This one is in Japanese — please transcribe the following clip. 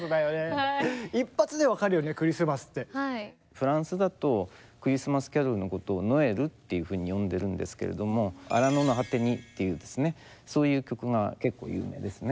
フランスだと「クリスマスキャロル」のことを「ノエル」っていうふうに呼んでるんですけれども「荒野の果てに」っていうですねそういう曲が結構有名ですね。